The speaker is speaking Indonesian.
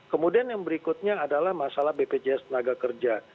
kemudian yang berikutnya adalah masalah bpjs tenaga kerja